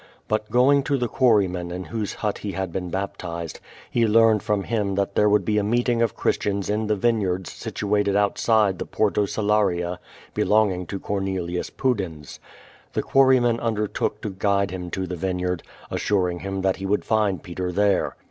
But going to the quarryman in whose hut he had been baptized, lie learned from him that there would be a meeting of Christians in the vineyards situated outside the Porto Salaria, belonging to Cornelius Pudens. The quarryman undertook to guide him to the vineyard, assuring him that he would find Peter there.